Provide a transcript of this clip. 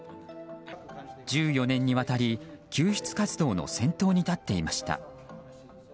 １４年にわたり救出活動の先頭に立っていました。